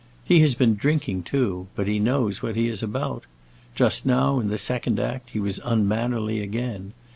He has been drinking, too, but he knows what he is about. Just now, in the second act, he was unmannerly again.